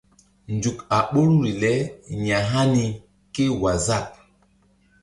Nzuk a ɓoruri le ya̧hani kéwaazap.